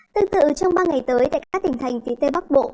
tương tự trong ba ngày tới tại các tỉnh thành phía tây bắc bộ